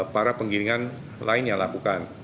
para penggilingan lain yang lakukan